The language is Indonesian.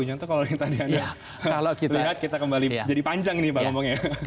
contoh kalau tadi anda melihat kita kembali jadi panjang nih pak ngomongnya